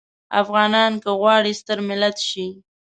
افغانان که غواړي ستر ملت شي.